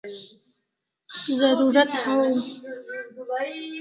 Zarurat hawaw